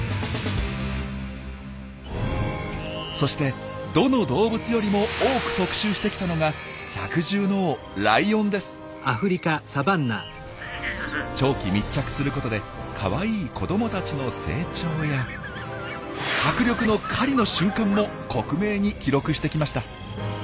そしてどの動物よりも多く特集してきたのが百獣の王長期密着することでかわいい子どもたちの成長や迫力の狩りの瞬間も克明に記録してきました。